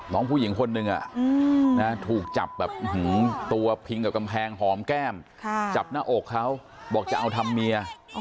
น้องผู้หญิงคนหนึ่งถูกจับแบบตัวพิงกับกำแพงหอมแก้มจับหน้าอกเขาบอกจะเอาทำเมีย